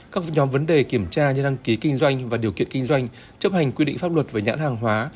các nhóm vấn đề kiểm tra như đăng ký kinh doanh và điều kiện kinh doanh chấp hành quy định pháp luật về nhãn hàng hóa